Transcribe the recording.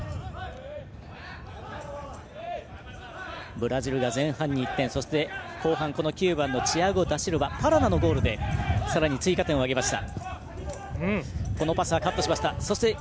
ブラジルが前半、１点そして後半９番のチアゴ・ダシルバパラナのゴールでさらに追加点を挙げました。